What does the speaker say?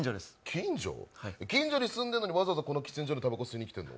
近所、近所に住んでるのにわざわざこの喫煙所にたばこ吸いにきてるの？